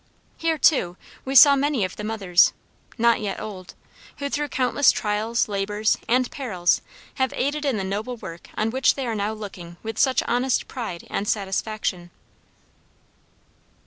Here, too, we saw many of the mothers, not yet old, who through countless trials, labors, and perils have aided in the noble work on which they now are looking with such honest pride and satisfaction.